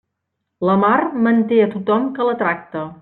La mar manté a tothom que la tracta.